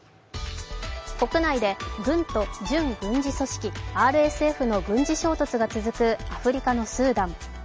国内で軍と準軍事組織ＲＳＦの軍事衝突が続くアフリカのスーダン。